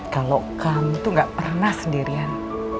kalau kamu tuh gak pernah sendirian